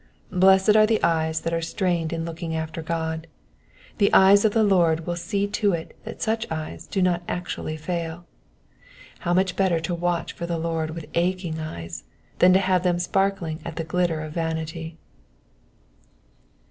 Blessed are the eyes that are strained in looking after God. The eyes of the Lord will see to it that such eyes do not actually fail. How much better to watch for the Lord with aching eyes than to have them sparkling at the glitter of vanity.